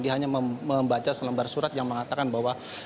dia hanya membaca selembar surat yang mengatakan bahwa